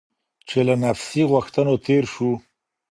چې له نفسي غوښتنو تېر شو.